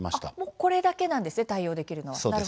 これだけなんですね対応できるのは。